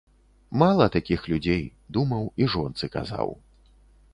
Мала такіх людзей, думаў і жонцы казаў.